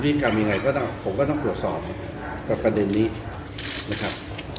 กรรมยังไงก็ต้องผมก็ต้องตรวจสอบกับประเด็นนี้นะครับ